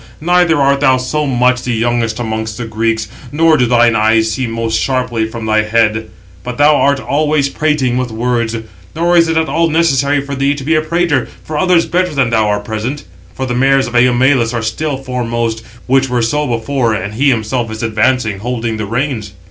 Neither art thou so much the youngest amongst the Greeks, nor do thine eyes see most sharply from thy head: but thou art always prating with words. Nor is it at all necessary for thee to be a prater, for others better than thou are present. For the mares of Eumelus are still 756 foremost, which were so before, and he himself is advancing, holding the reins."